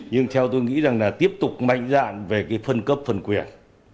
nhưng theo tôi nghĩ rằng là tiếp tục mạnh dạn về cái phân cấp phân quyền